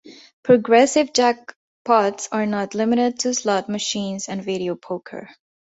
Progressive jackpots are not limited to slot machines and video poker.